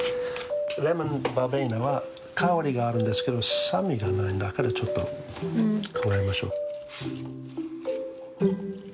レモンバーベナは香りがあるんですけど酸味がないからちょっと加えましょう。